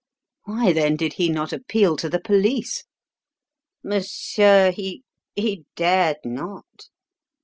"Why then did he not appeal to the police?" "Monsieur, he he dared not.